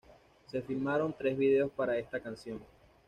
Se filmaron tres videos para esta canción.